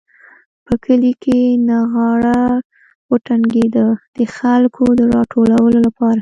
په کلي کې نغاره وډنګېده د خلکو د راټولولو لپاره.